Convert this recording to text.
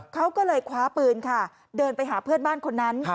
เขาก็เลยคว้าปืนค่ะเดินไปหาเพื่อนบ้านคนนั้น